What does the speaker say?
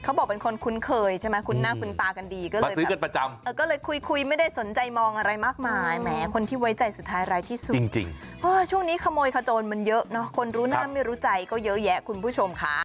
บอกเป็นคนคุ้นเคยใช่ไหมคุ้นหน้าคุ้นตากันดีก็เลยซื้อกันประจำก็เลยคุยคุยไม่ได้สนใจมองอะไรมากมายแหมคนที่ไว้ใจสุดท้ายร้ายที่สุดจริงช่วงนี้ขโมยขโจรมันเยอะเนอะคนรู้หน้าไม่รู้ใจก็เยอะแยะคุณผู้ชมค่ะ